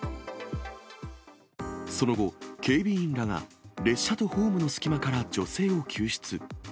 その後、警備員らが列車とホームの隙間から女性を救出。